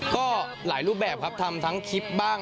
ก็หลายรูปแบบครับทำทั้งคลิปบ้าง